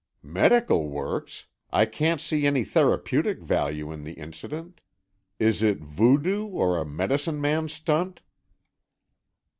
"Medical works! I can't see any therapeutic value in the incident. Is it voodoo, or a medicine man stunt?"